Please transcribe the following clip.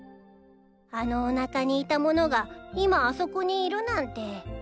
あのおなかにいたものが今あそこにいるなんて。